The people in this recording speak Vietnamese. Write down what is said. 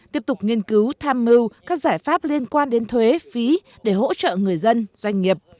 tiếp tục nghiên cứu tham mưu các giải pháp liên quan đến thuế phí để hỗ trợ người dân doanh nghiệp